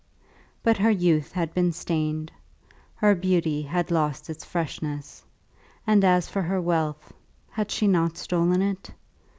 But her youth had been stained, her beauty had lost its freshness; and as for her wealth, had she not stolen it?